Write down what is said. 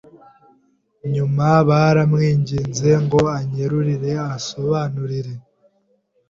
Nyuma naramwinginze ngo anyerurire ansobanurire,